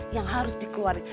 yang harus dikeluarin